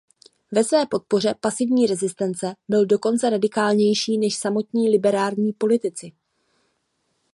Ve své podpoře pasivní rezistence byl dokonce radikálnější než samotní liberální politici.